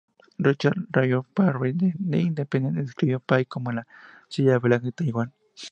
Richard Lloyd Parry-de "The Independent" describió a Pai como la "Cilla Black de Taiwán".